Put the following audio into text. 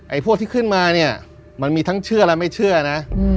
พวกที่ขึ้นมาเนี่ยมันมีทั้งเชื่อและไม่เชื่อนะ